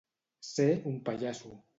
Ser un pallasso.